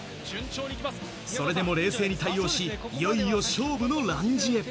それでも冷静に対応し、いよいよ勝負のランジへ。